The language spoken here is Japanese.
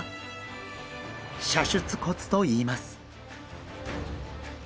射出骨といいます。